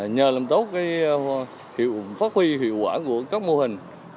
nhờ làm tốt phát huy hiệu quả của các mô hình